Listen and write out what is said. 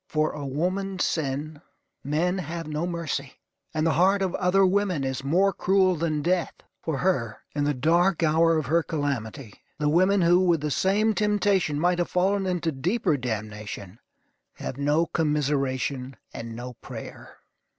For a woman's sin, men have no mercy; and the heart of other women is more cruel than death. For her, in the dark hour of her calamity, the women who, with the same temptation, might have fallen into deeper damnation, have no commiseration and no prayer.